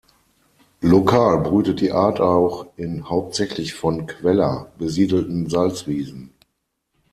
Lokal brütet die Art auch in hauptsächlich von Queller besiedelten Salzwiesen.